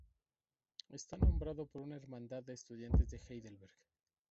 Está nombrado por una hermandad de estudiantes de Heidelberg.